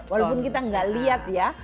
walaupun kita nggak lihat ya